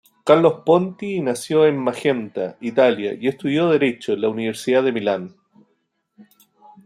Carlo Ponti nació en Magenta, Italia y estudió derecho en la Universidad de Milán.